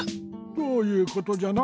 どういうことじゃな？